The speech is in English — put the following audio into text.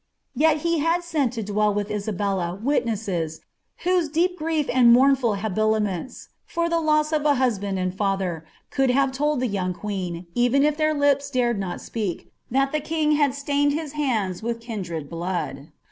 Tel he had sent to dwell witli lubclla witi)es«es,»hnwfap grief and moumrul liabilimenis, for the loss of a huaband and Um, could have toU t)ie young queen, even if their lips dar«d ooi tpA thai the king had stained his lionds with kindred blood.